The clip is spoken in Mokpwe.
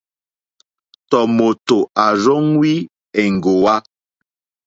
Tɔ̀mòtò à rzóŋwí èŋɡòwá.